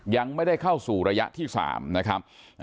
ยังไม่ได้เข้าสู่ระยะที่๓นะครับ